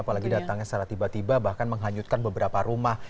apalagi datangnya secara tiba tiba bahkan menghanyutkan beberapa rumah